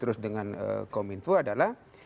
terus dengan kominfo adalah